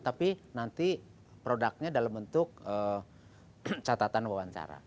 tapi nanti produknya dalam bentuk catatan wawancara